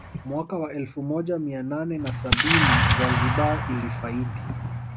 Mwaka wa elfu moja mia nane na sabini Zanzibar ilifaidi